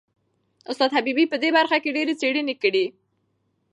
استاد حبیبي په دې برخه کې ډېرې څېړنې کړي.